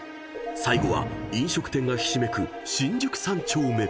［最後は飲食店がひしめく新宿三丁目］